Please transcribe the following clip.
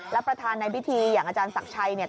และประธานในพิธีอย่างอาจารย์ศักดิ์ชัยเนี่ย